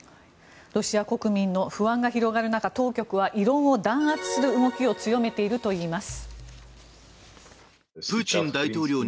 ロシア国民の不安が広がる中当局は異論を弾圧する動きを強めているといいます。